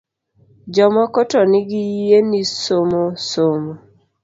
Jomoko to nigi yie ni somo somo